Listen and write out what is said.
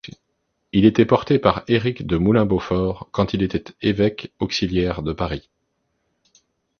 Il était porté par Éric de Moulins-Beaufort, quand il était évêque auxiliaire de Paris.